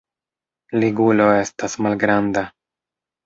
Ligulo estas malgranda.